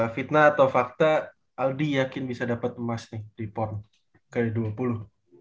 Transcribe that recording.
fitnah atau fakta aldi yakin bisa dapat emas nih di pon ke dua puluh